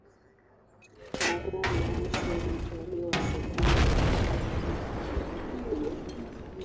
taadhali ya mwisho ilitolewa sekunde thelasini na nne kabla ya meli kugonga barafu